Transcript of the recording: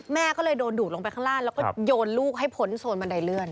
แม่ก็เลยโดนดูดลงไปข้างล่างแล้วก็โยนลูกให้พ้นโซนบันไดเลื่อน